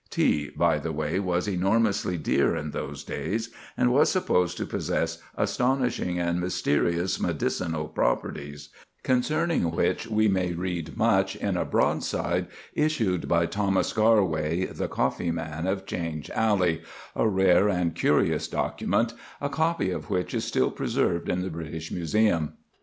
Tea, by the way, was enormously dear in those days, and was supposed to possess astonishing and mysterious medicinal properties, concerning which we may read much in a broadside issued by Thomas Garway, the coffee man of Change Alley,—a rare and curious document, a copy of which is still preserved in the British Museum.